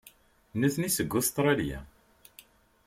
Nitni seg Ustṛalya.